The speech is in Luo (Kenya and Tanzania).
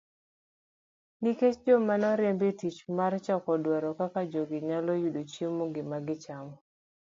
Nikech joma noriemb e tich mar chako dwaro kaka jogi nyalo yudo gima gichamo.